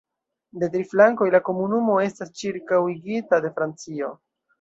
De tri flankoj la komunumo estas ĉirkaŭigita de Francio.